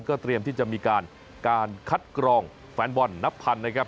เตรียมที่จะมีการการคัดกรองแฟนบอลนับพันนะครับ